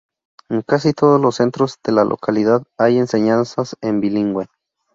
En casi todos los centros de la localidad hay enseñanzas en bilingüe.